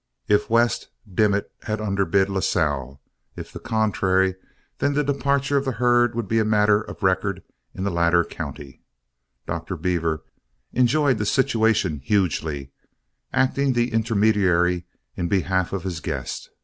If west, Dimmit had underbid Lasalle; if the contrary, then the departure of this herd would be a matter of record in the latter county. Dr. Beaver enjoyed the situation hugely, acting the intermediary in behalf of his guest.